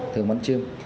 thường bắn chim